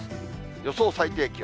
予想最低気温。